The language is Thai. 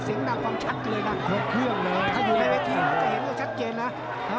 เสียงดังความชัดเลยน่ะโคตรเครื่องเลยถ้าอยู่ในวัยที่มันจะเห็นได้ชัดเจนน่ะ